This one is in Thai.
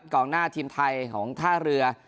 กองหน้าทีมไทยของท่าเรือ